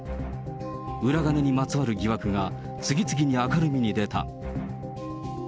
裏金にまつわる疑惑が次々に明るみに出た。